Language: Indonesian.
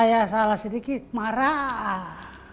saya salah sedikit marah